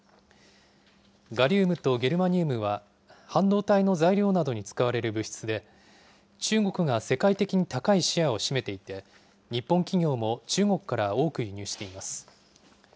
ガリウムとゲルマニウムは半導体の材料などに使われる物質で、中国が世界的に高いシェアを占めていて、日本企業も中国から多く輸入しています。